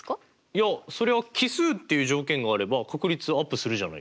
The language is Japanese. いやそれは奇数っていう条件があれば確率はアップするじゃないですか。